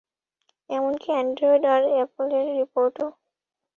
এমনকি এন্ড্রয়েড আর এপলের রিপোর্টও।